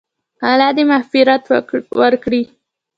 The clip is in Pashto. الله دې مغفرت وکړي -